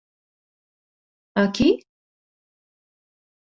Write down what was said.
Aqui?